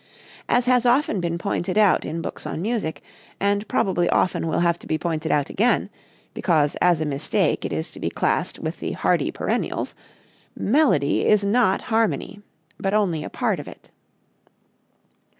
As has often been pointed out in books on music, and probably often will have to be pointed out again, because as a mistake it is to be classed with the hardy perennials, melody is not harmony, but only a part of it.